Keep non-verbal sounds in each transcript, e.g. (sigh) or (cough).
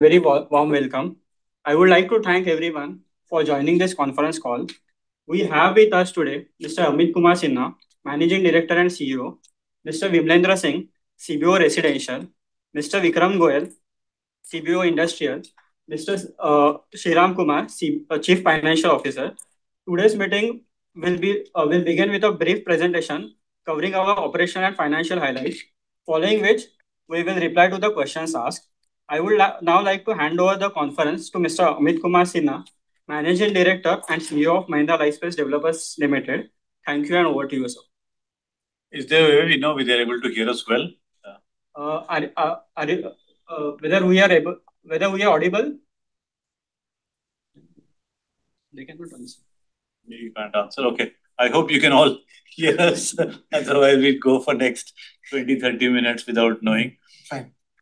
Very warm welcome. I would like to thank everyone for joining this conference call. We have with us today Mr. Amit Kumar Sinha, Managing Director and Chief Executive Officer. Mr. Vimalendra Singh, Chief Business Officer, Residential. Mr. Vikram Goel, Chief Business Officer, Industrial. Mr. Sriram Kumar, Chief Financial Officer. Today's meeting will begin with a brief presentation covering our operation and financial highlights, following which we will reply to the questions asked. I would now like to hand over the conference to Mr. Amit Kumar Sinha, Managing Director and Chief Executive Officer of Mahindra Lifespace Developers Limited. Thank you. Over to you, sir. Is there a way we know whether they're able to hear us well? Whether we are audible? They can put answer. They can't answer. Okay. I hope you can all hear us, otherwise we'll go for next 20 minutes, 30 minutes without knowing.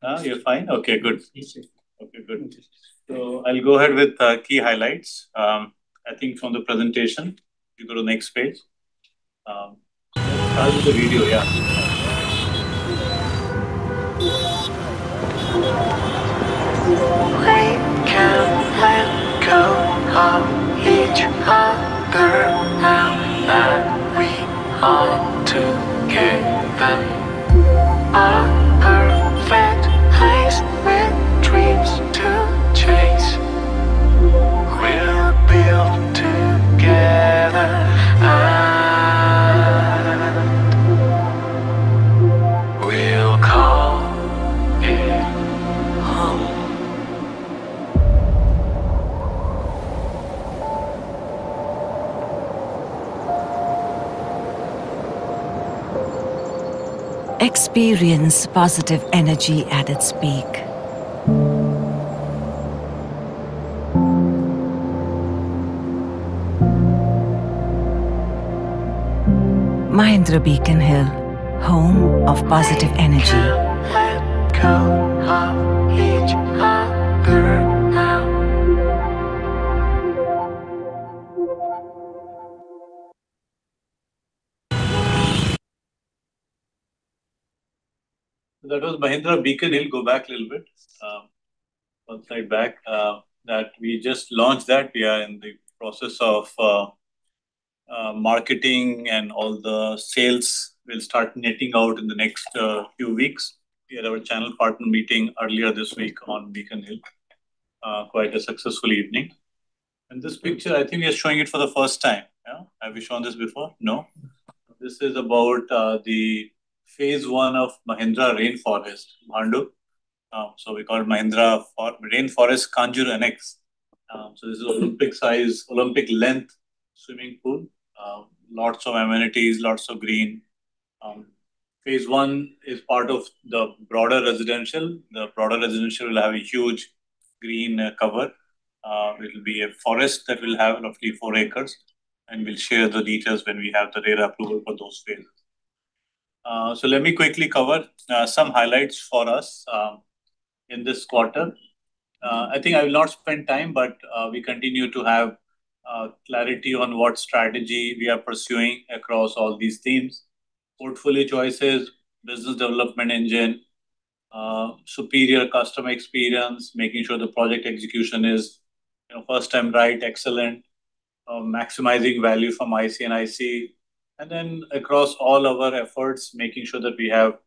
Fine. You're fine? Okay, good. Yes, sir. Okay, good. Yes. I'll go ahead with key highlights. I think from the presentation, if you go to next page. Start with the video. Yeah. We can let go of each other now that we ought to. Given a perfect place with dreams to chase. We'll build together and we'll call it home. Experience positive energy at its peak. Mahindra Beacon Hill, home of positive energy. We can let go of each other now. That was Mahindra Beacon. Go back a little bit. One slide back. That we just launched that. We are in the process of marketing and all the sales will start netting out in the next few weeks. We had our channel partner meeting earlier this week on Beacon Hill, quite a successful evening. This picture, I think we are showing it for the first time. Yeah. Have we shown this before? No. This is about the phase I of Mahindra Rainforest, Kanjur. We call it Mahindra Rainforest Kanjur Annex. This is Olympic size, Olympic length swimming pool. Lots of amenities, lots of green. phase I is part of the broader residential. The broader residential will have a huge green cover. It will be a forest that will have roughly four acres, and we'll share the details when we have the RERA approval for those phases. Let me quickly cover some highlights for us in this quarter. I will not spend time. We continue to have clarity on what strategy we are pursuing across all these themes. Portfolio choices, business development engine, superior customer experience, making sure the project execution is first time right, excellent. Maximizing value from IC&IC. Across all our efforts, making sure that we have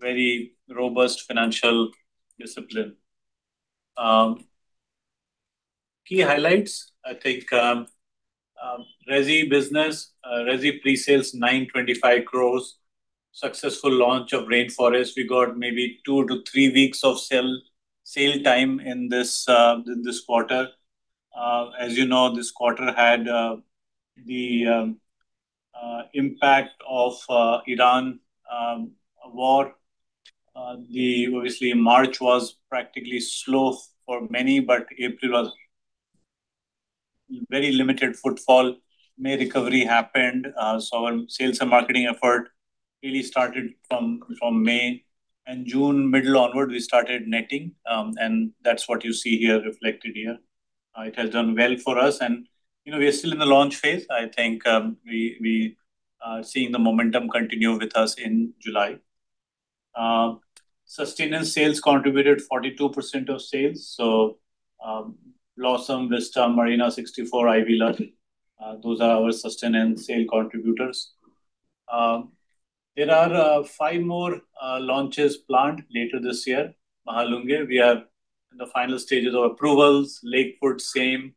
very robust financial discipline. Key highlights, resi business. Resi pre-sales 925 crore. Successful launch of Mahindra Rainforest. We got maybe two to three weeks of sale time in this quarter. As you know, this quarter had the impact of Iran war. March was practically slow for many. April was very limited footfall. May recovery happened. Our sales and marketing effort really started from May. June middle onward, we started netting. That's what you see here reflected here. It has done well for us. We are still in the launch phase. We are seeing the momentum continue with us in July. Sustenance sales contributed 42% of sales. Mahindra Blossom, Mahindra Vista, Mahindra Marina 64, IvyLush, those are our sustenance sale contributors. There are five more launches planned later this year. Mahalunge, we are in the final stages of approvals. Lakewoods, same.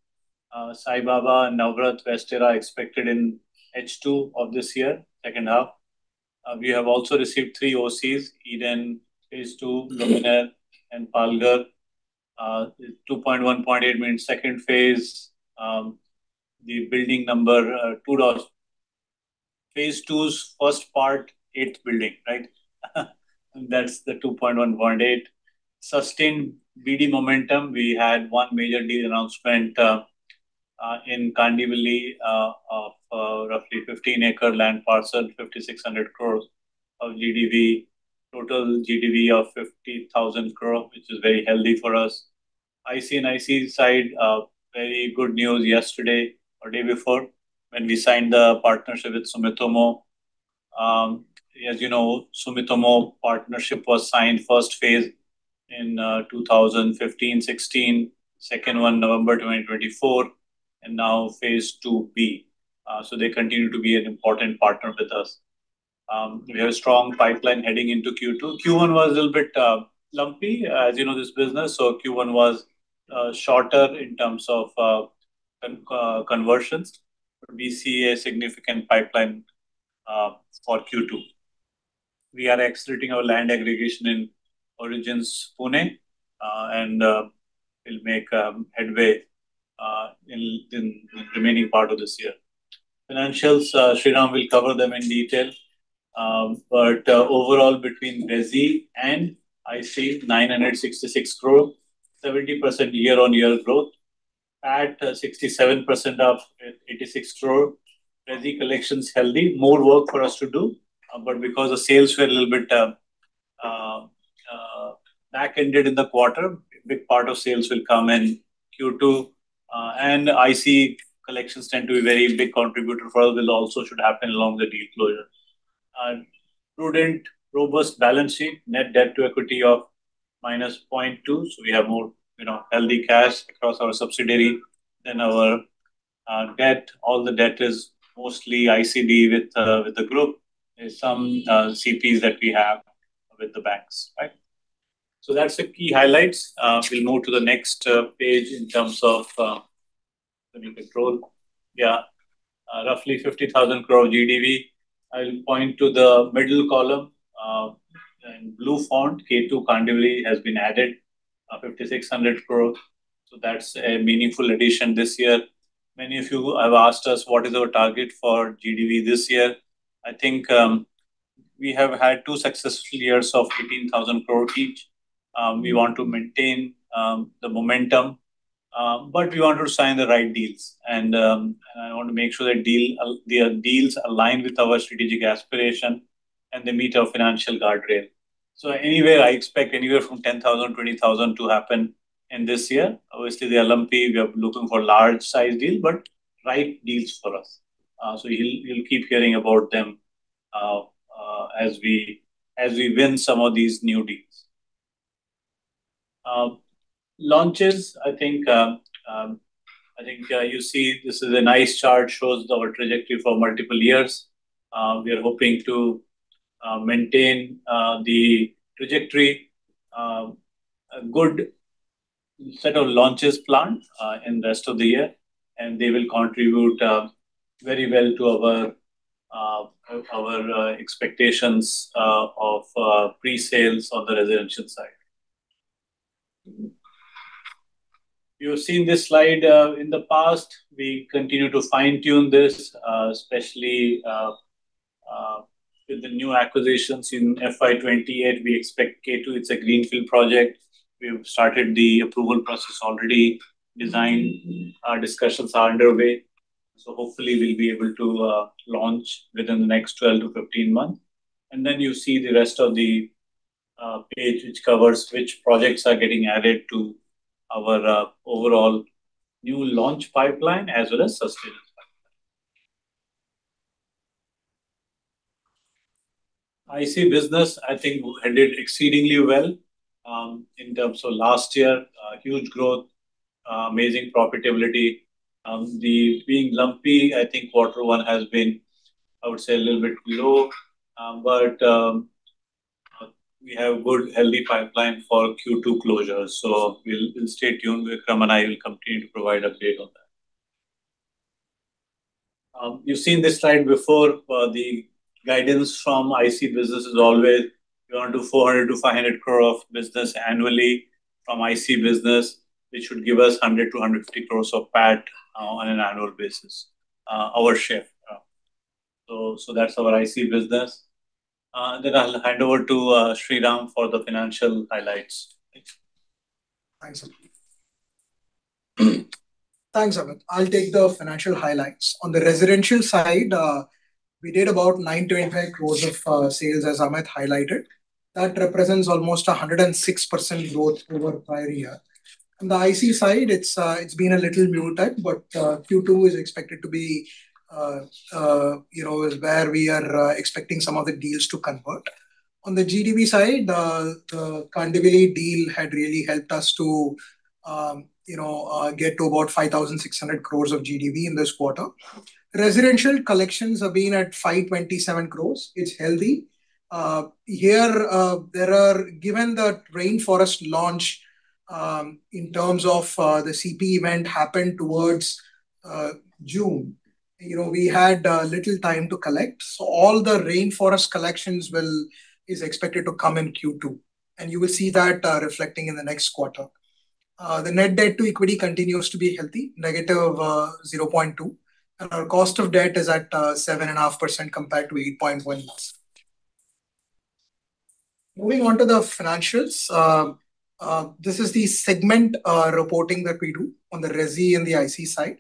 Saibaba and Navrat, WestEra expected in H2 of this year, second half. We have also received three OCs, Mahindra Eden, phase II, Mahindra Luminare and Palghar, 2.18 million second phase. The building number two. phase II's first part, eighth building. Right? That's the 2.18. Sustained BD momentum. We had one major deal announcement in Kandivali of roughly 15-acre land parcel, 5,600 crore of GDV. Total GDV of 50,000 crore, which is very healthy for us. IC&IC side, very good news yesterday or day before, when we signed the partnership with Sumitomo Corporation. As you know, Sumitomo Corporation partnership was signed first phase in 2015, 2016. Second one, November 2024. Now phase II-B. They continue to be an important partner with us. We have a strong pipeline heading into Q2. Q1 was a little bit lumpy, as you know, this business. Q1 was shorter in terms of conversions. We see a significant pipeline for Q2. We are accelerating our land aggregation in Origins Pune. We will make headway in the remaining part of this year. Financials, Sriram Kumar will cover them in detail. Overall, between resi and IC, 966 crore, 70% year-on-year growth at 67% of 86 crore. Resi collections healthy, more work for us to do. Because the sales were a little bit back-ended in the quarter, a big part of sales will come in Q2. IC collections tend to be a very big contributor for us, will also should happen along the deal closure. Prudent, robust balance sheet, net debt to equity of -0.2. We have more healthy cash across our subsidiary than our debt. All the debt is mostly ICD with the group. There is some CPs that we have with the banks. That's the key highlights. We will move to the next page in terms of You can scroll. Roughly 50,000 crore GDV. I will point to the middle column, in blue font, K2 Kandivali has been added, 5,600 crore. That's a meaningful addition this year. Many of you have asked us what is our target for GDV this year. We have had two successful years of 18,000 crore each. We want to maintain the momentum, but we want to sign the right deals. I want to make sure their deals align with our strategic aspiration, and they meet our financial guardrail. Anyway, I expect anywhere from 10,000-20,000 to happen in this year. Obviously, they are lumpy. We are looking for large size deal, but right deals for us. You will keep hearing about them as we win some of these new deals. Launches, you see this is a nice chart, shows our trajectory for multiple years. We are hoping to maintain the trajectory. A good set of launches planned in the rest of the year, and they will contribute very well to our expectations of pre-sales on the residential side. You have seen this slide in the past. We continue to fine-tune this, especially with the new acquisitions in FY 2028. We expect K2, it is a greenfield project. We have started the approval process already. Design discussions are underway, hopefully, we will be able to launch within the next 12 months-15 months. You see the rest of the page, which covers which projects are getting added to our overall new launch pipeline as well as sustenance pipeline. IC business ended exceedingly well in terms of last year. Huge growth, amazing profitability. Being lumpy, Q1 has been, I would say, a little bit low. We have good, healthy pipeline for Q2 closure, we will stay tuned. Vikram and I will continue to provide update on that. You have seen this slide before. The guidance from IC business is always we want to do 400 crore-500 crore of business annually from IC business, which should give us 100 crore-150 crore of PAT on an annual basis, our share. That is our IC business. I will hand over to Sriram for the financial highlights. Thanks. Thanks, Amit. I will take the financial highlights. On the residential side, we did about 925 crore of sales, as Amit highlighted. That represents almost 106% growth over prior year. On the IC side, it has been a little muted, Q2 is expected to be where we are expecting some of the deals to convert. On the GDV side, the Kandivali deal had really helped us to get to about 5,600 crore of GDV in this quarter. Residential collections have been at 527 crore. It is healthy. Here, given the Mahindra Rainforest launch, in terms of the CP event happened towards June, we had little time to collect. All the Mahindra Rainforest collections is expected to come in Q2, and you will see that reflecting in the next quarter. The net debt to equity continues to be healthy, -0.2. Our cost of debt is at 7.5% compared to 8.1 last. Moving on to the financials. This is the segment reporting that we do on the resi and the IC side.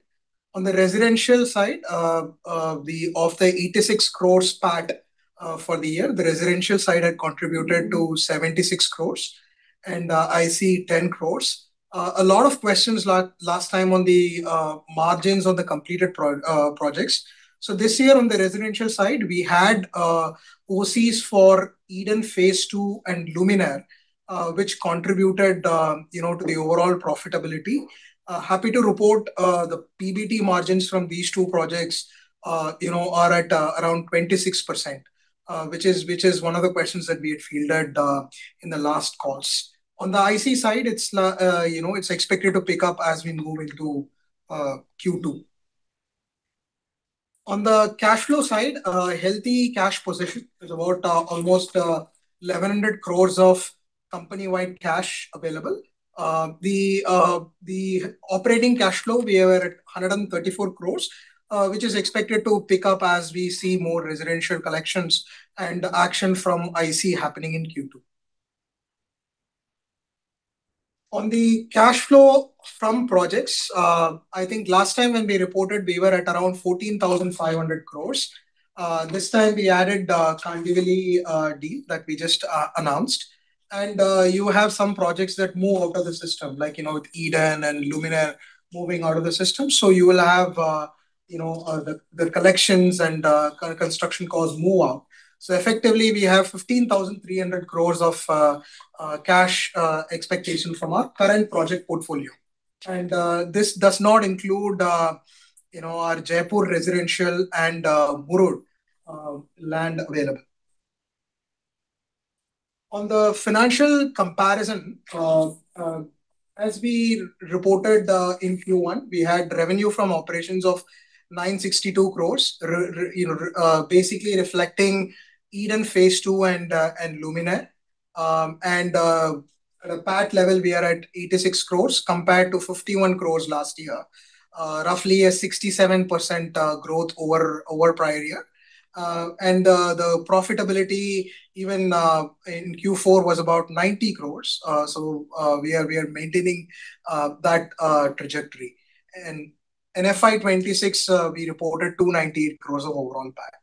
On the residential side, of the 86 crores PAT for the year, the residential side had contributed to 76 crores. IC 10 crores. A lot of questions last time on the margins on the completed projects. This year on the residential side, we had OCs for Eden phase II and Luminare, which contributed to the overall profitability. Happy to report the PBT margins from these two projects are at around 26%, which is one of the questions that we had fielded in the last calls. On the IC side, it's expected to pick up as we move into Q2. On the cash flow side, a healthy cash position with about almost 1,100 crores of company-wide cash available. The operating cash flow, we were at 134 crores, which is expected to pick up as we see more residential collections and action from IC happening in Q2. On the cash flow from projects, I think last time when we reported, we were at around 14,500 crores. This time we added Kandivali deal that we just announced. You have some projects that move out of the system, like with Eden and Luminare moving out of the system. You will have the collections and construction costs move out. Effectively, we have 15,300 crores of cash expectation from our current project portfolio. This does not include our Jaipur residential and Muror land available. On the financial comparison, as we reported in Q1, we had revenue from operations of 962 crores, basically reflecting Eden phase II and Luminare. At a PAT level, we are at 86 crores compared to 51 crores last year. Roughly a 67% growth over prior year. The profitability even in Q4 was about 90 crores. We are maintaining that trajectory. In FY 2026, we reported 298 crores of overall PAT.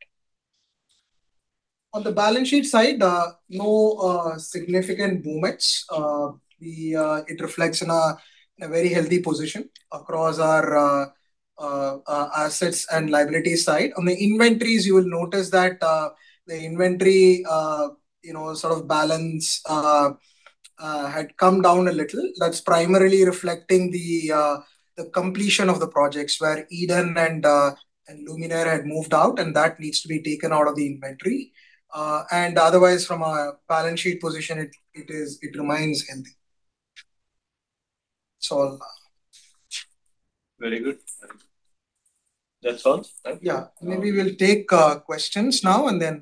On the balance sheet side, no significant movements. It reflects in a very healthy position across our assets and liability side. On the inventories, you will notice that the inventory sort of balance had come down a little. That's primarily reflecting the completion of the projects where Eden and Luminare had moved out, and that needs to be taken out of the inventory. Otherwise from our balance sheet position, it remains healthy. That's all. Very good. That's all? Yeah. Maybe we will take questions now and then.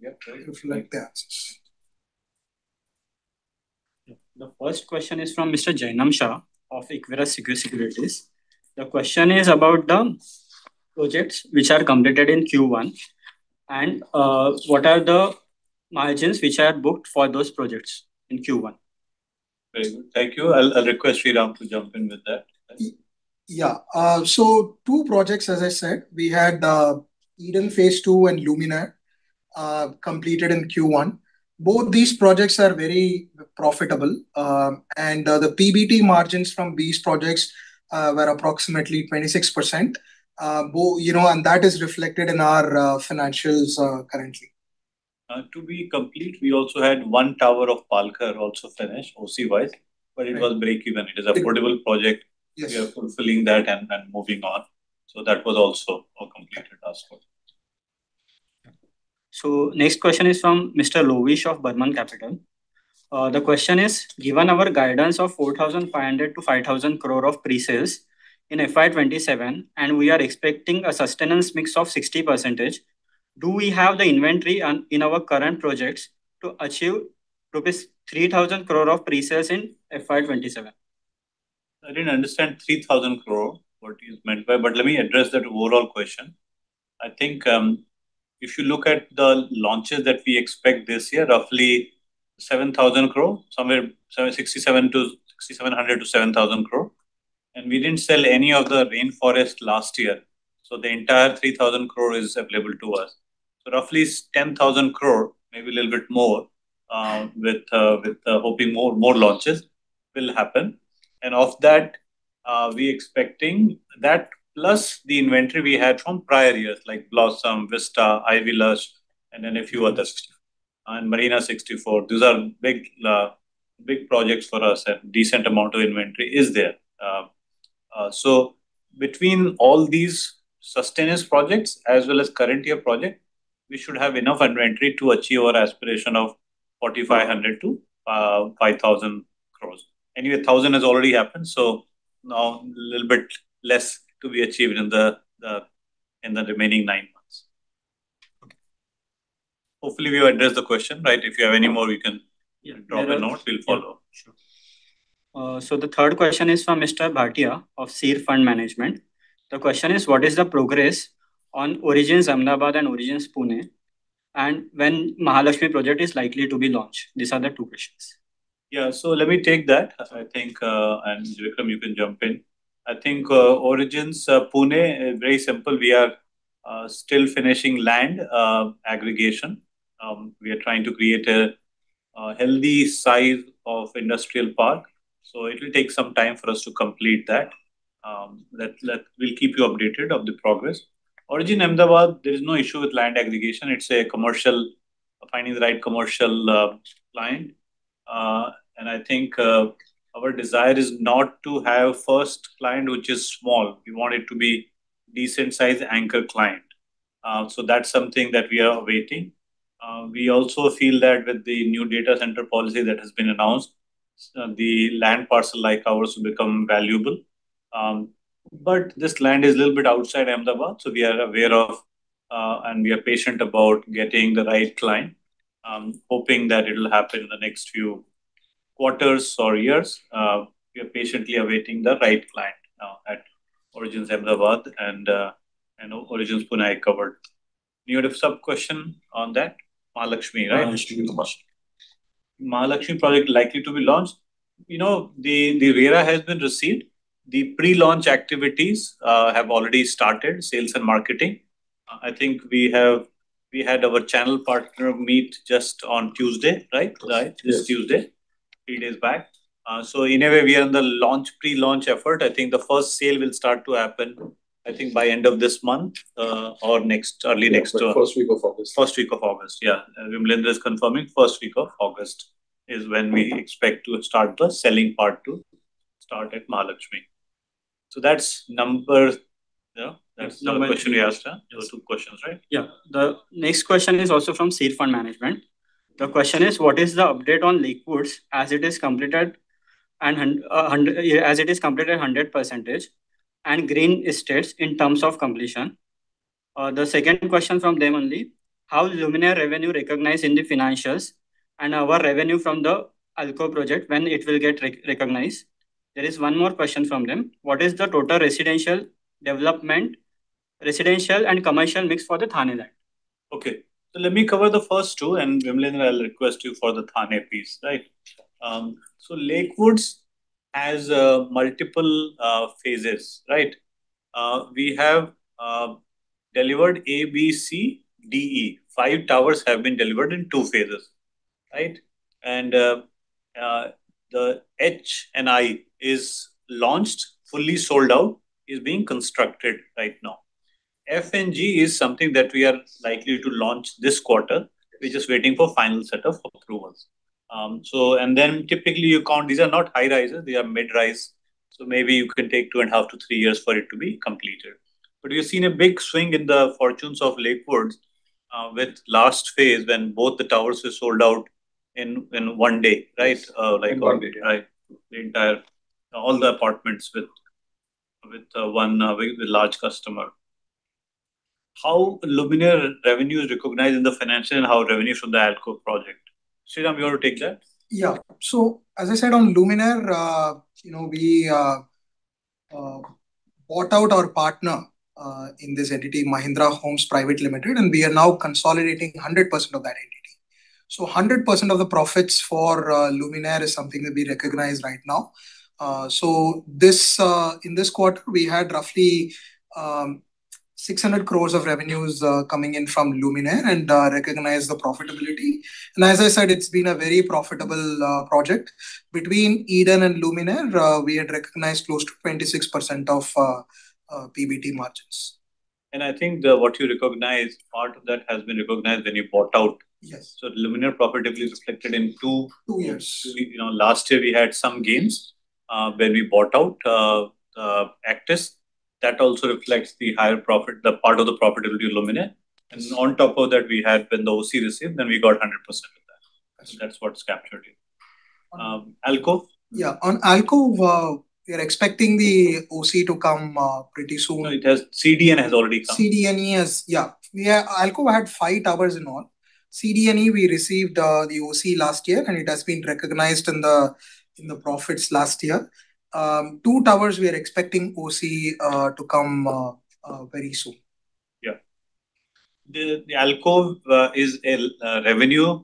Yeah, great If you like the answers. Yeah. The first question is from Mr. Jainam Shah of Equirus Securities. The question is about the projects which are completed in Q1, and what are the margins which are booked for those projects in Q1? Very good. Thank you. I'll request Sriram to jump in with that. Yeah. Two projects, as I said. We had Eden phase II and Luminaire completed in Q1. Both these projects are very profitable, and the PBT margins from these projects were approximately 26%. That is reflected in our financials currently. To be complete, we also had one tower of Palghar also finished OC wise, it was break even. It is an affordable project. Yes. We are fulfilling that and moving on. That was also a completed task for us. Next question is from Mr. Lovish of Birdman Capital. The question is, given our guidance of 4,500 crore-5,000 crore of pre-sales in FY 2027, and we are expecting a sustenance mix of 60%, do we have the inventory in our current projects to achieve rupees 3,000 crore of pre-sales in FY 2027? I didn't understand 3,000 crore, what is meant by. Let me address that overall question. I think if you look at the launches that we expect this year, roughly 7,000 crore, somewhere 6,700 crore-7,000 crore. We didn't sell any of the Mahindra Rainforest last year, so the entire 3,000 crore is available to us. Roughly 10,000 crore, maybe a little bit more, hoping more launches will happen. Of that, we expecting that plus the inventory we had from prior years, like Mahindra Blossom, Mahindra Vista, IvyLush, and then a few others, and Mahindra Marina 64. These are big projects for us and decent amount of inventory is there. Between all these sustenance projects as well as current year project, we should have enough inventory to achieve our aspiration of 4,500 crore-5,000 crore. Anyway, 1,000 crore has already happened, now a little bit less to be achieved in the remaining nine months. Okay. Hopefully, we have addressed the question. If you have any more, we can drop a note. We'll follow up. Sure. The third question is from Mr. Bhatia of Seers Fund Management. The question is, what is the progress on Origins Ahmedabad and Origins Pune? When Mahalaxmi project is likely to be launched? These are the two questions. Yeah. Let me take that. I think, Vikram, you can jump in. I think Origins Pune is very simple. We are still finishing land aggregation. We are trying to create a healthy size of industrial park, it will take some time for us to complete that. We'll keep you updated of the progress. Origins Ahmedabad, there is no issue with land aggregation. It's finding the right commercial client. I think our desire is not to have first client, which is small. We want it to be decent size anchor client. That's something that we are awaiting. We also feel that with the new data center policy that has been announced, the land parcel like ours will become valuable. This land is a little bit outside Ahmedabad, we are aware of, and we are patient about getting the right client. Hoping that it'll happen in the next few quarters or years. We are patiently awaiting the right client now at Origins Ahmedabad and Origins Pune, I covered. You had a sub-question on that, Mahalaxmi, right? Mahalaxmi question. Mahalaxmi project likely to be launched. The RERA has been received. The pre-launch activities have already started, sales and marketing. I think we had our channel partner meet just on Tuesday, right? Yes. This Tuesday, three days back. In a way, we are in the pre-launch effort. I think the first sale will start to happen, I think by end of this month, or early next. First week of August. First week of August, yeah. Vimalendra is confirming first week of August is when we expect to start the selling part to start at Mahalaxmi. That's numbers. That's the question we asked. There were two questions, right? The next question is also from Seers Fund Management. The question is, what is the update on Lakewoods as it is completed at 100% and Green Estates in terms of completion? The second question from them only, how Luminare revenue recognized in the financials and our revenue from the Alcove project, when it will get recognized. There is one more question from them. What is the total residential development, residential and commercial mix for the Thane land? Let me cover the first two, and Vimalendra, I'll request you for the Thane piece. Lakewoods has multiple phases. We have delivered A, B, C, D, E. Five towers have been delivered in two phases. The H and I is launched, fully sold out, is being constructed right now. F and G is something that we are likely to launch this quarter. We're just waiting for final set of approvals. Then typically, you count, these are not high-rises, they are mid-rise, so maybe you can take two and a half to three years for it to be completed. But we've seen a big swing in the fortunes of Lakewoods with last phase when both the towers were sold out in one day. Right? In one day. The entire, all the apartments with one very large customer. How Luminare revenue is recognized in the financials, and how revenue from the Alcove project. Sriram, you want to take that? As I said on Mahindra Luminare, we bought out our partner in this entity, Mahindra Homes Private Limited, and we are now consolidating 100% of that entity. 100% of the profits for Mahindra Luminare is something that we recognize right now. In this quarter, we had roughly 600 crore of revenues coming in from Mahindra Luminare and recognize the profitability. As I said, it has been a very profitable project. Between Mahindra Eden and Mahindra Luminare, we had recognized close to 26% of PBT margins. I think that what you recognized, part of that has been recognized when you bought out. Yes. Mahindra Luminare profitability reflected in. Two years. Last year, we had some gains, when we bought out Actis. That also reflects the higher profit, the part of the profitability of Luminare. On top of that, we had when the OC received, then we got 100% of that. Absolutely. That's what's captured. Alcove? Yeah. On Alcove, we are expecting the OC to come pretty soon. No, it has. C, D, and E has already come. C, D and E has. Mahindra Alcove had five towers in all. C, D and E, we received the OC last year. It has been recognized in the profits last year. Two towers, we are expecting OC to come very soon. The Mahindra Alcove is a revenue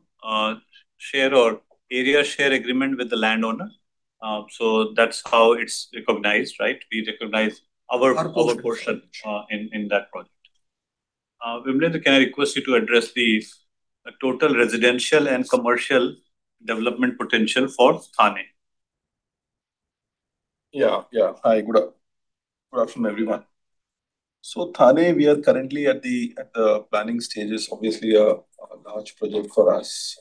share or area share agreement with the landowner. That's how it's recognized. We recognize our portion. Our portion. In that project. Vimalendra, can I request you to address the total residential and commercial development potential for Thane? Yeah. Hi. Good afternoon, everyone. Thane, we are currently at the planning stages. Obviously, a large project for us.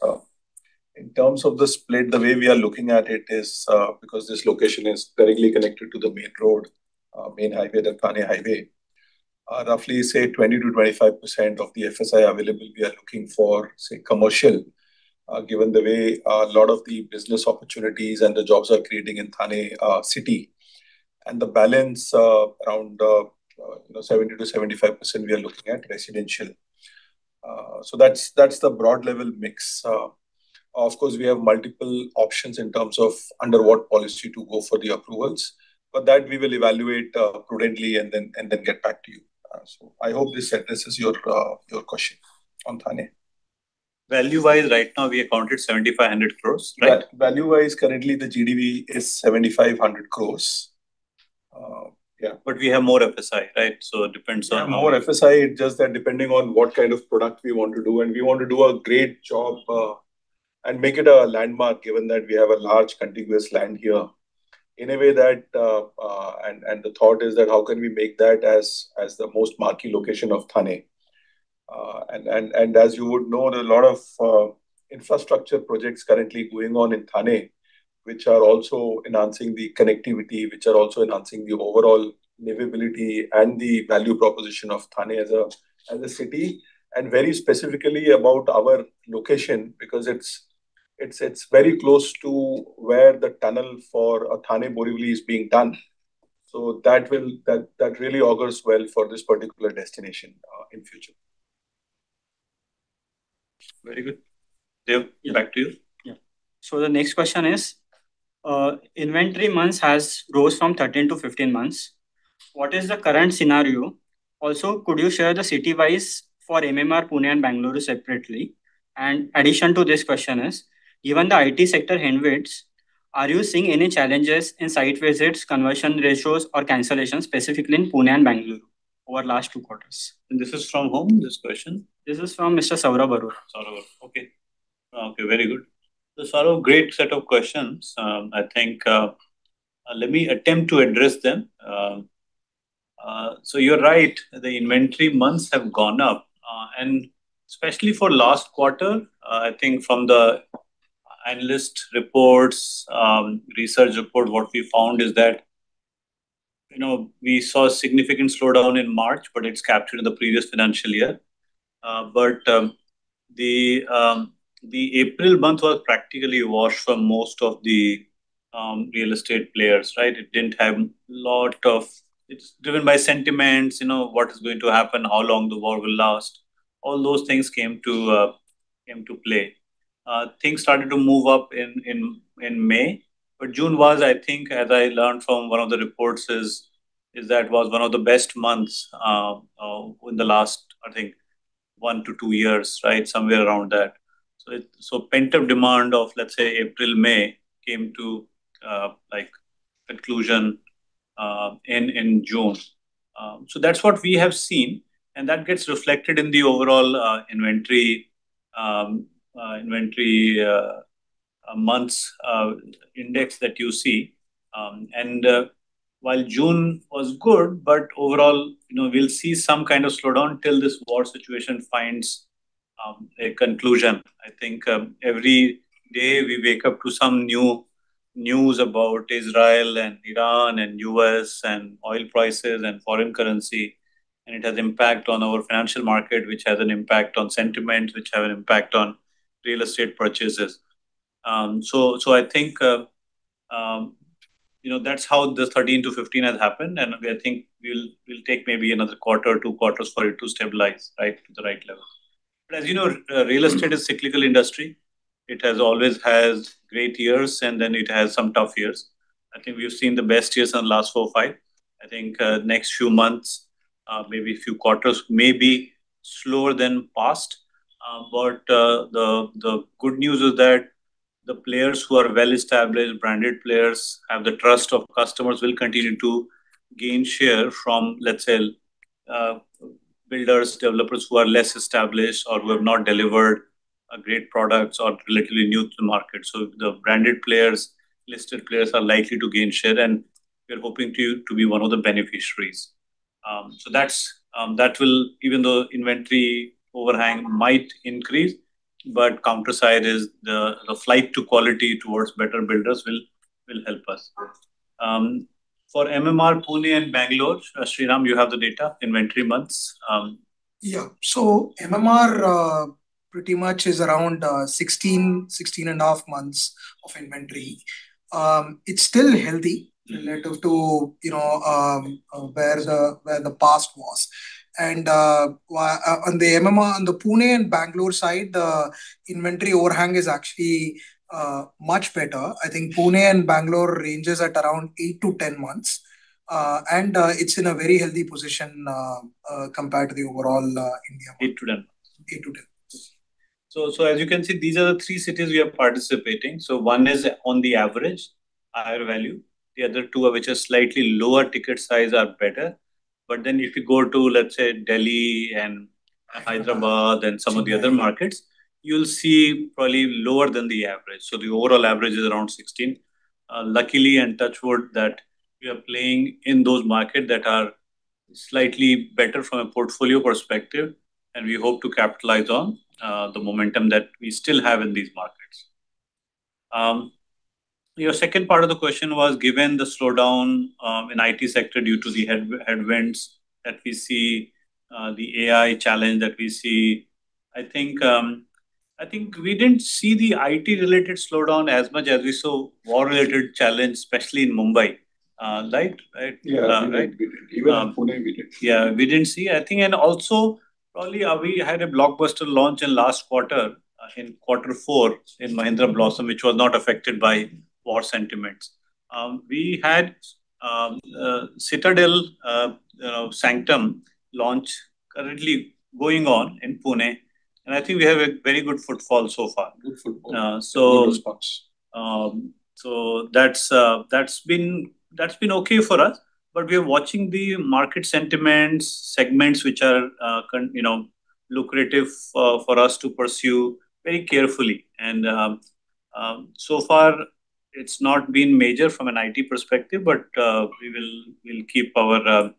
In terms of the split, the way we are looking at it is, because this location is directly connected to the main road, main highway, the Thane highway, roughly say 20%-25% of the FSI available, we are looking for, say, commercial, given the way a lot of the business opportunities and the jobs are creating in Thane City. The balance, around 70%-75%, we are looking at residential. That's the broad level mix. Of course, we have multiple options in terms of under what policy to go for the approvals, that we will evaluate prudently and then get back to you. I hope this addresses your question on Thane. Value-wise, right now we accounted 7,500 crores. Right? Value-wise, currently the GDV is 7,500 crores. Yeah. We have more FSI, right? It depends on how. More FSI. It's just that depending on what kind of product we want to do, and we want to do a great job, make it a landmark, given that we have a large contiguous land here. In a way, the thought is that how can we make that as the most marquee location of Thane? As you would know, there are a lot of infrastructure projects currently going on in Thane, which are also enhancing the connectivity, which are also enhancing the overall livability and the value proposition of Thane as a city, and very specifically about our location, because it's very close to where the tunnel for Thane Borivali is being done. That really augurs well for this particular destination, in future. Very good. Dev, back to you. The next question is, inventory months has rose from 13 months-15 months. What is the current scenario? Also, could you share the city-wise for MMR, Pune, and Bangalore separately? Addition to this question is, given the IT sector headwinds, are you seeing any challenges in site visits, conversion ratios, or cancellations, specifically in Pune and Bangalore over last two quarters? This is from whom, this question? This is from Mr. Saurabh Arora. Saurabh, Okay. Very good. Saurabh, great set of questions. I think, let me attempt to address them. You're right, the inventory months have gone up, and especially for last quarter, I think from the analyst reports, research report, what we found is that, we saw a significant slowdown in March, but it's captured in the previous financial year. The April month was practically washed from most of the real estate players. It didn't have lot of, It's driven by sentiments. What is going to happen? How long the war will last? All those things came to play. Things started to move up in May. June was, I think, as I learned from one of the reports is that it was one of the best months in the last, I think, one to two years. Somewhere around that. Pent-up demand of, let's say, April, May, came to conclusion in June. That's what we have seen, and that gets reflected in the overall inventory months index that you see. While June was good, but overall, we'll see some kind of slowdown till this war situation finds a conclusion. I think, every day we wake up to some new news about Israel and Iran and U.S. and oil prices and foreign currency, and it has impact on our financial market, which has an impact on sentiments, which have an impact on real estate purchases. I think, that's how the 13 to 15 has happened, and I think we'll take maybe another one or two quarters for it to stabilize, right at the right level. As you know, real estate is cyclical industry. It has always has great years, and then it has some tough years. I think we've seen the best years on last four, five. I think, next few months, maybe few quarters, may be slower than past. The good news is that the players who are well established, branded players, have the trust of customers, will continue to gain share from, let's say, builders, developers who are less established or who have not delivered a great products or are relatively new to the market. The branded players, listed players, are likely to gain share, and we are hoping to be one of the beneficiaries. Even though inventory overhang might increase, but counter side is the flight to quality towards better builders will help us. For MMR, Pune, and Bengaluru, Sriram, you have the data, inventory months? MMR, pretty much is around 16.5 months of inventory. It's still healthy relative to where the past was. On the MMR, on the Pune and Bangalore side, the inventory overhang is actually much better. I think Pune and Bangalore ranges at around 8 months-10 months. It's in a very healthy position, compared to the overall India market. 8 months-10 months. 8 months-10 months. As you can see, these are the three cities we are participating. One is on the average higher value. The other two, which are slightly lower ticket size, are better. If you go to, let's say, Delhi and Hyderabad and some of the other markets, you'll see probably lower than the average. The overall average is around 16. Luckily, and touch wood, that we are playing in those market that are slightly better from a portfolio perspective, and we hope to capitalize on the momentum that we still have in these markets. Your second part of the question was, given the slowdown in IT sector due to the headwinds that we see, the AI challenge that we see. I think we didn't see the IT-related slowdown as much as we saw war-related challenge, especially in Mumbai. Right? Yeah. We didn't. Even Pune we didn't. Yeah, we didn't see, I think. Also, probably, we had a blockbuster launch in last quarter, in quarter four, in Mahindra Blossom, which was not affected by war sentiments. We had Citadel Sanctum launch currently going on in Pune, and I think we have a very good footfall so far. Good footfall. So. Good response. That's been okay for us. We are watching the market sentiments, segments which are lucrative for us to pursue very carefully. So far, it's not been major from an IT perspective. We'll keep our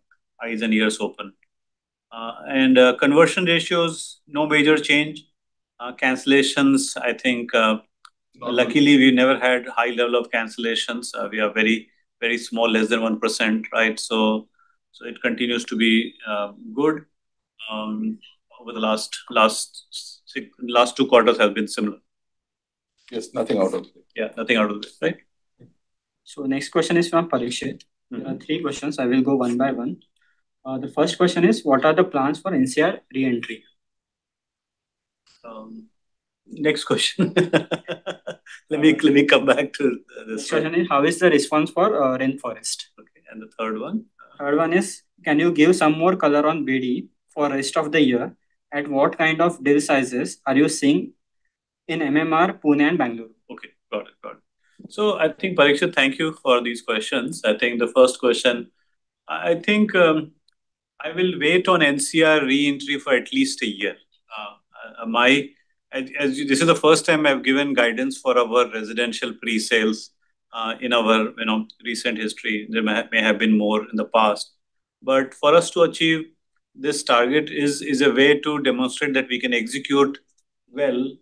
eyes and ears open. Conversion ratios, no major change. Cancellations, I think, luckily, we never had high level of cancellations. We are very small, less than 1%, right? It continues to be good. Over the last two quarters have been similar. Yes, nothing out of this. Yeah, nothing out of this, right? Yeah. Next question is from Parikshit. There are three questions. I will go one by one. The first question is, what are the plans for NCR re-entry? Next question. Let me come back to this one. Second is, how is the response for Rainforest? Okay, the third one? Third one is, can you give some more color on BD for rest of the year? At what kind of deal sizes are you seeing in MMR, Pune, and Bangalore? Okay, got it. I think, Parikshit, thank you for these questions. I think the first question, I think, I will wait on NCR re-entry for at least a year. This is the first time I've given guidance for our residential pre-sales, in our recent history. There may have been more in the past. For us to achieve this target is a way to demonstrate that we can execute well,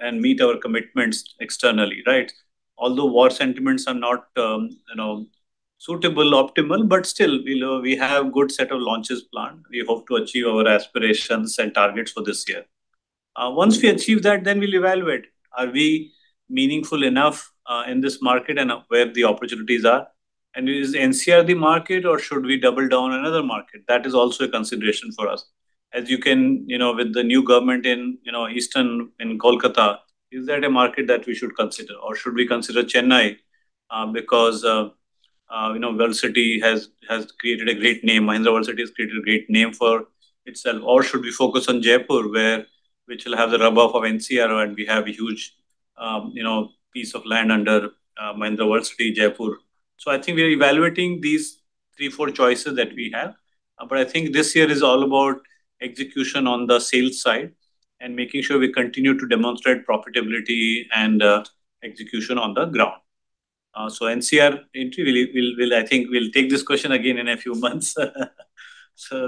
and meet our commitments externally, right? Although war sentiments are not suitable, optimal, but still, we have good set of launches planned. We hope to achieve our aspirations and targets for this year. Once we achieve that, we'll evaluate. Are we meaningful enough, in this market and where the opportunities are? Is NCR the market or should we double down another market? That is also a consideration for us. As you can, with the new government in Kolkata, is that a market that we should consider or should we consider Chennai? Mahindra World City has created a great name for itself. Should we focus on Jaipur, which will have the rub-off of NCR and we have a huge piece of land under Mahindra World City, Jaipur. I think we are evaluating these three, four choices that we have. I think this year is all about execution on the sales side and making sure we continue to demonstrate profitability and execution on the ground. NCR entry, I think we'll take this question again in a few months.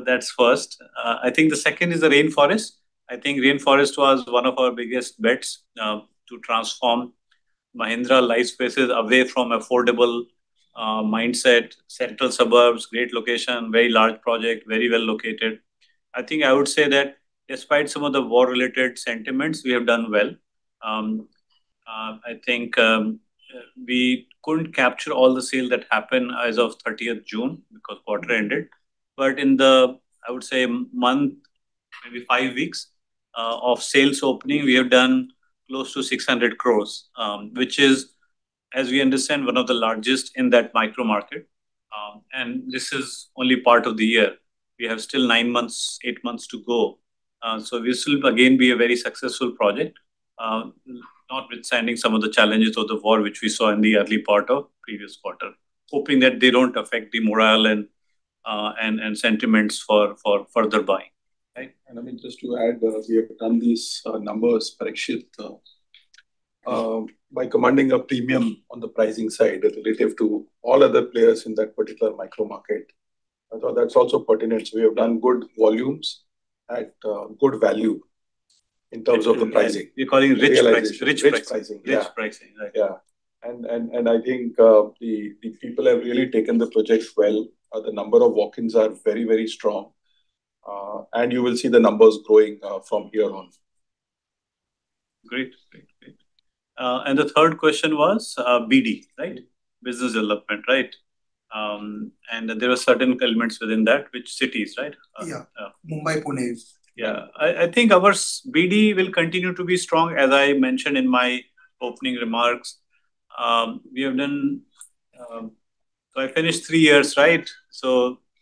That's first. I think the second is the Rainforest. I think Rainforest was one of our biggest bets to transform Mahindra Lifespaces away from affordable mindset, central suburbs, great location, very large project, very well located. I think I would say that despite some of the war-related sentiments, we have done well. I think, we couldn't capture all the sale that happened as of 30th June, quarter ended. In the, I would say, month, maybe five weeks, of sales opening, we have done close to 600 crores. Which is, as we understand, one of the largest in that micro market. This is only part of the year. We have still nine months, eight months to go. This will again be a very successful project, notwithstanding some of the challenges of the war, which we saw in the early part of previous quarter. Hoping that they don't affect the morale and sentiments for further buying. Right? Amit, just to add, we have done these numbers, Parikshit, by commanding a premium on the pricing side relative to all other players in that particular micro market. I thought that’s also pertinent. We have done good volumes at good value in terms of the pricing. We call it rich pricing. Rich pricing. Rich pricing. Yeah. Right. I think the people have really taken the projects well. The number of walk-ins are very strong. You will see the numbers growing from here on. Great. The third question was, BD, right? Yeah. Business Development. There were certain elements within that. Which cities, right? Yeah. Yeah. Mumbai, Pune. Our BD will continue to be strong, as I mentioned in my opening remarks. I finished three years, right?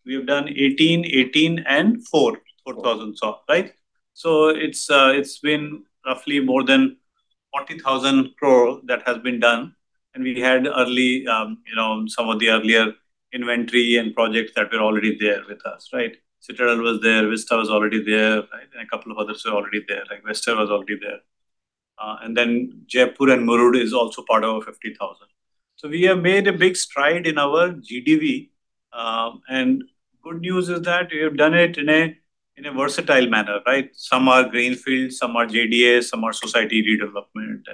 We have done 18, and 4. 4,000 soft, right? It has been roughly more than 40,000 crore that has been done. We had some of the earlier inventory and projects that were already there with us, right? Mahindra Citadel was there, Mahindra Vista was already there, right? A couple of others were already there, like WestEra was already there. Mahindra World City, Jaipur and Muror is also part of our 50,000 crore. We have made a big stride in our GDV. Good news is that we have done it in a versatile manner, right? Some are greenfield, some are JDA, some are society redevelopment,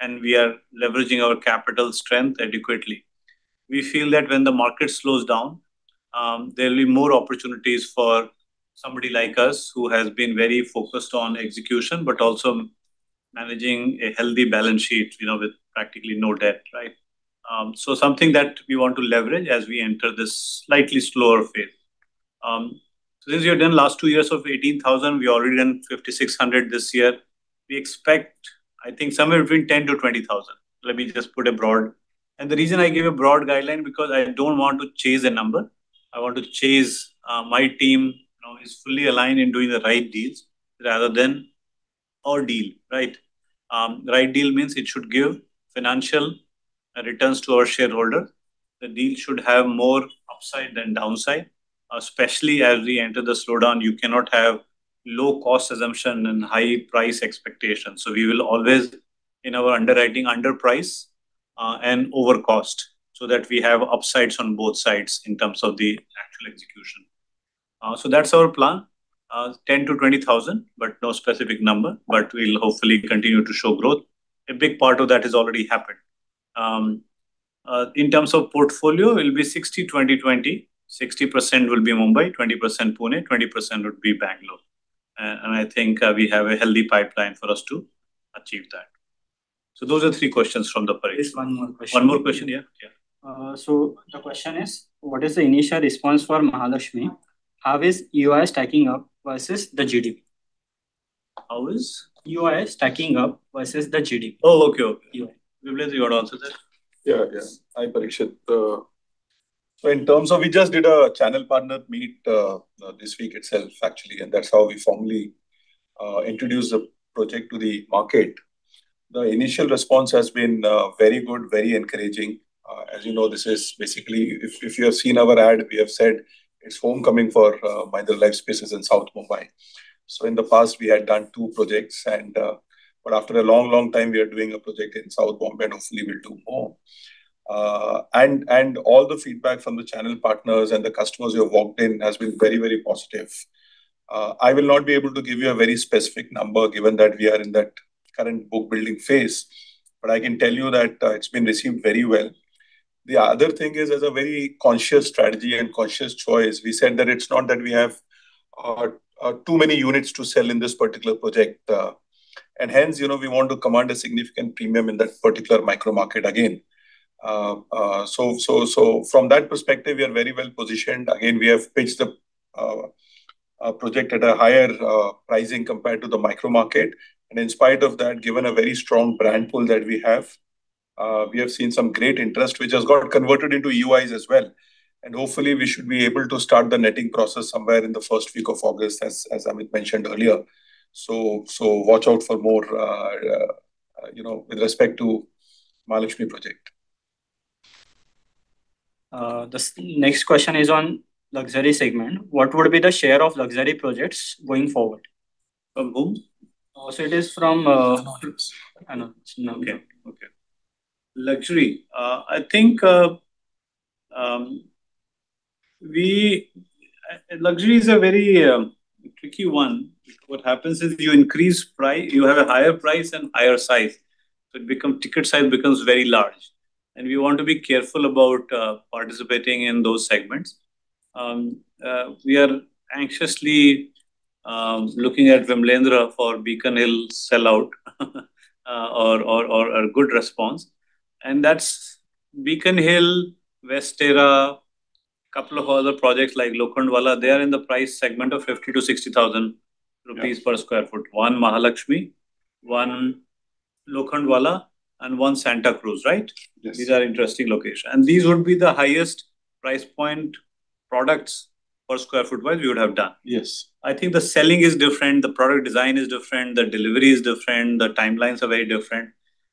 and we are leveraging our capital strength adequately. We feel that when the market slows down, there will be more opportunities for somebody like us who has been very focused on execution, but also managing a healthy balance sheet with practically no debt, right? Something that we want to leverage as we enter this slightly slower phase. Since we have done last two years of 18,000 crore, we already done 5,600 crore this year. We expect, I think somewhere between 10,000 crore-20,000 crore. Let me just put it broad. The reason I give a broad guideline because I do not want to chase a number. I want to chase, my team now is fully aligned in doing the right deals rather than all deal. Right deal means it should give financial returns to our shareholder. The deal should have more upside than downside. Especially as we enter the slowdown, you cannot have low-cost assumption and high price expectations. We will always, in our underwriting, underprice and overcost, so that we have upsides on both sides in terms of the actual execution. That is our plan, 10,000 crore-20,000 crore, but no specific number. We will hopefully continue to show growth. A big part of that has already happened. In terms of portfolio, it will be 60/20/20. 60% will be Mumbai, 20% Pune, 20% would be Bengaluru. I think we have a healthy pipeline for us to achieve that. Those are three questions from the Parikshit. There is one more question. One more question, yeah. Yeah. The question is, what is the initial response for Mahalaxmi? How is EOI stacking up versus the GDV? How is? EOI stacking up versus the GDV. Oh, okay. Vimalendra, you want to answer that? Yeah. Hi, Parikshit. In terms of, we just did a channel partner meet this week itself, actually, that's how we formally introduced the project to the market. The initial response has been very good, very encouraging. As you know, this is basically, if you have seen our ad, we have said it's homecoming for Mahindra Lifespaces in South Mumbai. In the past, we had done two projects, but after a long time, we are doing a project in South Bombay. Hopefully, we'll do more. All the feedback from the channel partners and the customers who have walked in has been very positive. I will not be able to give you a very specific number given that we are in that current book-building phase, but I can tell you that it's been received very well. The other thing is, as a very conscious strategy and conscious choice, we said that it's not that we have too many units to sell in this particular project. Hence, we want to command a significant premium in that particular micro market again. From that perspective, we are very well-positioned. Again, we have pitched the project at a higher pricing compared to the micro market. In spite of that, given a very strong brand pool that we have, we have seen some great interest, which has got converted into EOIs as well. Hopefully, we should be able to start the netting process somewhere in the first week of August, as Amit mentioned earlier. Watch out for more with respect to Mahalaxmi project. The next question is on luxury segment. What would be the share of luxury projects going forward? From whom? It is from. (inaudible) Okay. Luxury. I think luxury is a very tricky one. What happens is you have a higher price and higher size, so ticket size becomes very large, and we want to be careful about participating in those segments. We are anxiously looking at Vimalendra for Beacon Hill sellout or a good response. That's Beacon Hill, WestEra, couple of other projects like Lokhandwala. They are in the price segment of 50,000-60,000 rupees per square foot. One Mahalaxmi, one Lokhandwala, and one Santacruz, right? Yes. These are interesting locations. These would be the highest price point products per square foot wise we would have done. Yes. I think the selling is different, the product design is different, the delivery is different, the timelines are very different.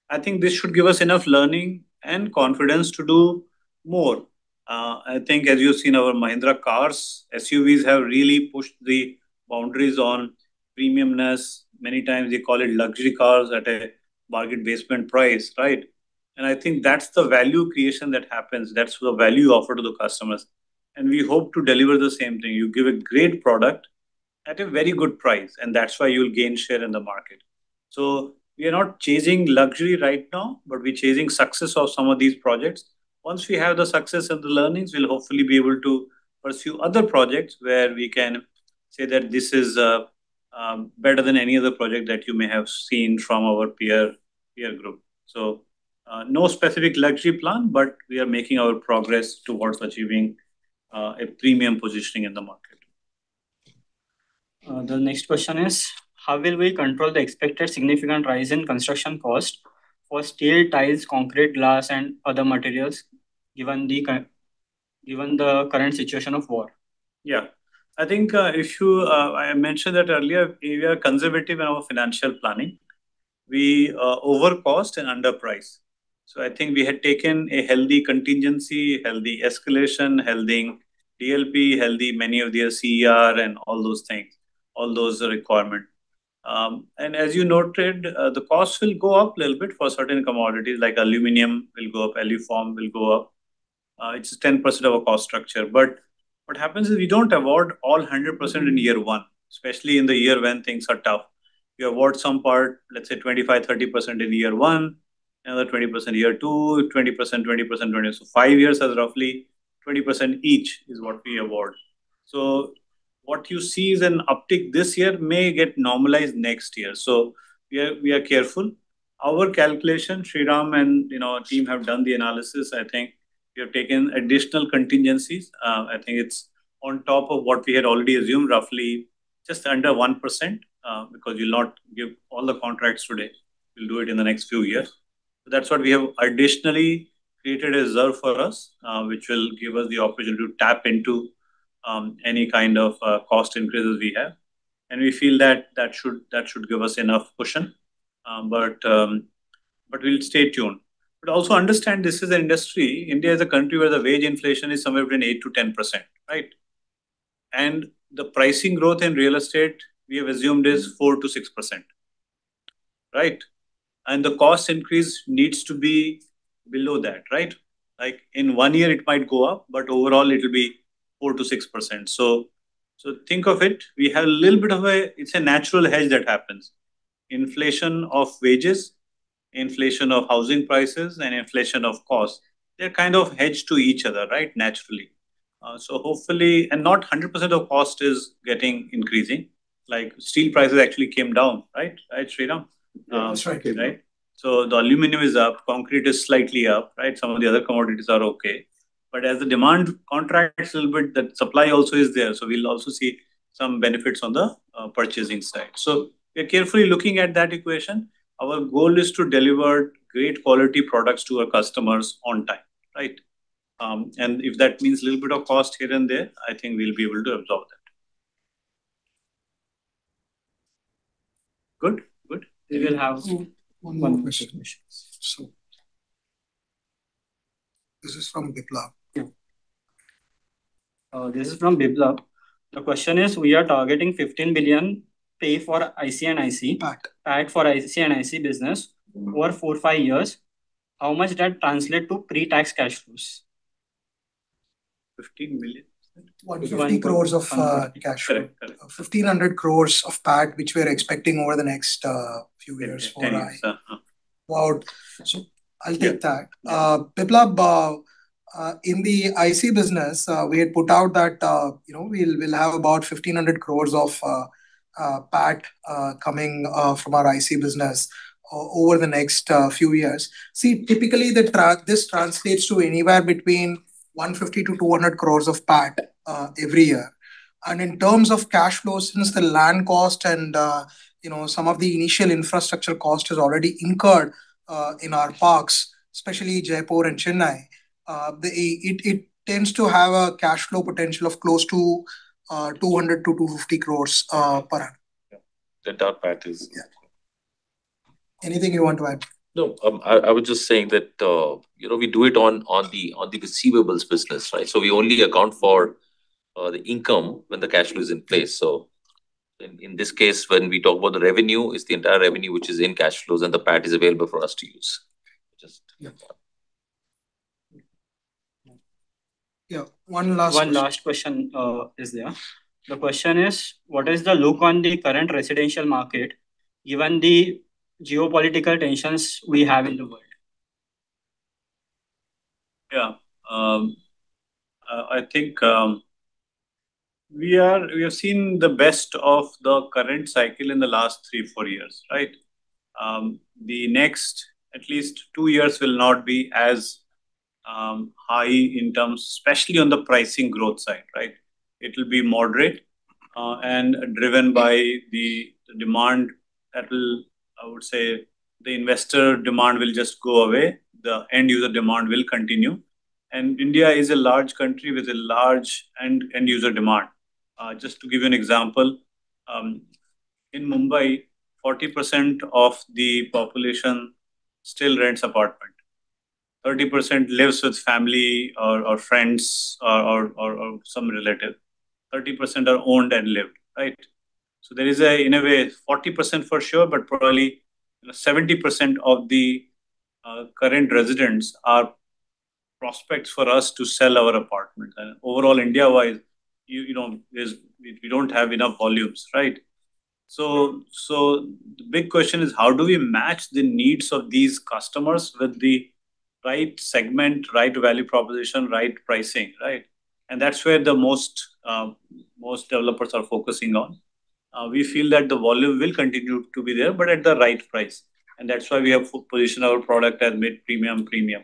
I think this should give us enough learning and confidence to do more. I think as you've seen our Mahindra cars, SUVs have really pushed the boundaries on premiumness. Many times they call it luxury cars at a bargain basement price. Right? I think that's the value creation that happens. That's the value offer to the customers. We hope to deliver the same thing. You give a great product at a very good price, and that's why you'll gain share in the market. We are not chasing luxury right now, but we're chasing success of some of these projects. Once we have the success and the learnings, we'll hopefully be able to pursue other projects where we can say that this is better than any other project that you may have seen from our peer group. No specific luxury plan, but we are making our progress towards achieving a premium positioning in the market. The next question is, how will we control the expected significant rise in construction cost for steel, tiles, concrete, glass, and other materials, given the current situation of war? I think I mentioned that earlier, we are conservative in our financial planning. We overcost and underprice. I think we had taken a healthy contingency, healthy escalation, healthy DLP, healthy many of the CER and all those things, all those requirements. As you noted, the cost will go up a little bit for certain commodities, like aluminum will go up, Aluform will go up. It's 10% of our cost structure. What happens is we don't award all 100% in year one, especially in the year when things are tough. We award some part, let's say 25%-30% in year one, another 20% year two, 20%, 20%, 20%. Five years has roughly 20% each is what we award. What you see is an uptick this year may get normalized next year. We are careful. Our calculation, Sriram and our team have done the analysis. I think we have taken additional contingencies. I think it's on top of what we had already assumed, roughly just under 1%, because you'll not give all the contracts today. We'll do it in the next few years. That's what we have additionally created a reserve for us, which will give us the opportunity to tap into any kind of cost increases we have. We feel that should give us enough cushion. We'll stay tuned. Also understand this is an industry. India is a country where the wage inflation is somewhere between 8%-10%. Right? The pricing growth in real estate, we have assumed is 4%-6%. Right? The cost increase needs to be below that. Right? In one year it might go up, but overall it'll be 4%-6%. Think of it. We have a little bit of a, it's a natural hedge that happens. Inflation of wages, inflation of housing prices, and inflation of cost, they're kind of hedged to each other. Right? Naturally. Hopefully not 100% of cost is getting increasing. Like steel prices actually came down, right? Right, Sriram? That's right. Right. The aluminum is up, concrete is slightly up. Right? Some of the other commodities are okay. As the demand contracts a little bit, the supply also is there. We'll also see some benefits on the purchasing side. We are carefully looking at that equation. Our goal is to deliver great quality products to our customers on time. Right? If that means little bit of cost here and there, I think we'll be able to absorb that. Good? One more question. One more question. This is from Biplab. Yeah. This is from Biplab. The question is: We are targeting 15 billion PAT for IC&IC. PAT PAT for IC&IC business over four, five years. How much that translate to pre-tax cash flows? 15 million. 150 crores of cash flow. Correct. 1,500 crores of PAT, which we are expecting over the next few years for IC. Yeah. I'll take that. Biplab, in the IC business, we had put out that we'll have about 1,500 crores of PAT coming from our IC business over the next few years. Typically, this translates to anywhere between 150 crores-200 crores of PAT every year. In terms of cash flows, since the land cost and some of the initial infrastructure cost is already incurred in our parks, especially Jaipur and Chennai, it tends to have a cash flow potential of close to 200 crores to 250 crores per annum. Yeah. Yeah. Anything you want to add? No. I was just saying that we do it on the receivables business, right? We only account for the income when the cash flow is in place. In this case, when we talk about the revenue, it's the entire revenue which is in cash flows, and the PAT is available for us to use. Yeah. Yeah, one last question. One last question is there. The question is: What is the look on the current residential market given the geopolitical tensions we have in the world? Yeah. I think we have seen the best of the current cycle in the last three, four years. Right? The next at least two years will not be as high in terms, especially on the pricing growth side. Right? It'll be moderate, driven by the demand. I would say, the investor demand will just go away. The end user demand will continue. India is a large country with a large end user demand. Just to give you an example, in Mumbai, 40% of the population still rents apartment, 30% lives with family or friends or some relative, 30% are owned and lived. Right? There is, in a way, 40% for sure, but probably 70% of the current residents are prospects for us to sell our apartments. Overall, India-wide, we don't have enough volumes, right? The big question is how do we match the needs of these customers with the right segment, right value proposition, right pricing, right? That's where the most developers are focusing on. We feel that the volume will continue to be there, but at the right price. That's why we have positioned our product as mid-premium, premium.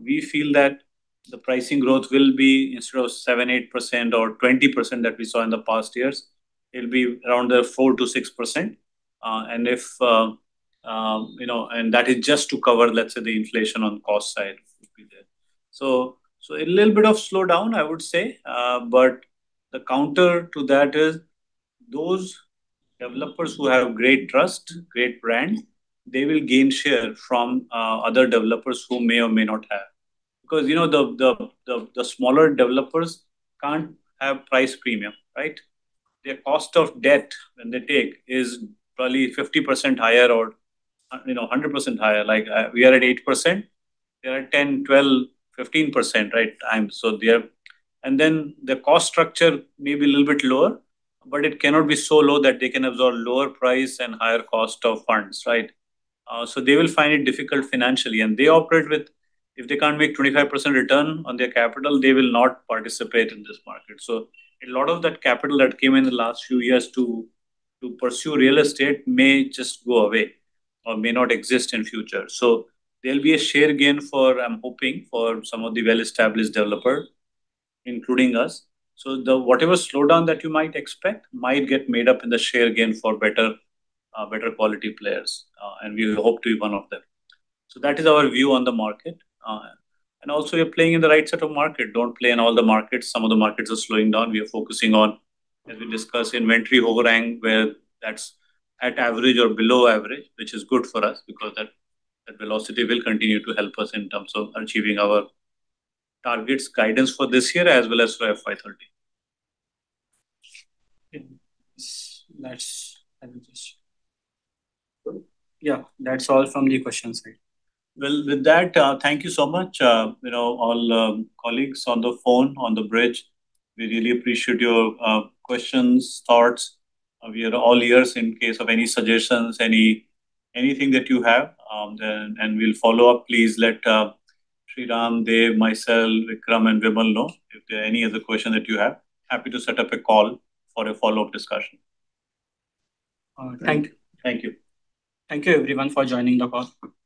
We feel that the pricing growth will be instead of 7%, 8% or 20% that we saw in the past years, it'll be around the 4%-6%. That is just to cover, let's say the inflation on cost side would be there. A little bit of slowdown, I would say. The counter to that is those developers who have great trust, great brand, they will gain share from other developers who may or may not have. The smaller developers can't have price premium, right? Their cost of debt when they take is probably 50% higher or 100% higher. We are at 8%, they are at 10%, 12%, 15% right? Then the cost structure may be a little bit lower, but it cannot be so low that they can absorb lower price and higher cost of funds, right? They will find it difficult financially. And they operate with, if they cannot make 25% return on their capital, they will not participate in this market. A lot of that capital that came in the last few years to pursue real estate may just go away or may not exist in future. There will be a share gain for, I am hoping, for some of the well-established developer, including us. Whatever slowdown that you might expect might get made up in the share gain for better quality players. We hope to be one of them. That is our view on the market. Also, we are playing in the right set of market. Do not play in all the markets. Some of the markets are slowing down. We are focusing on, as we discussed, inventory overhang where that is at average or below average, which is good for us because that velocity will continue to help us in terms of achieving our targets, guidance for this year as well as FY 2030. Good? That is all from the questions side. With that, thank you so much all colleagues on the phone, on the bridge. We really appreciate your questions, thoughts. We are all ears in case of any suggestions, anything that you have. We will follow up. Please let Sriram, Dev, myself, Vikram, and Vimal know if there are any other question that you have. Happy to set up a call for a follow-up discussion. Thank you. Thank you. Thank you everyone for joining the call. Thank you.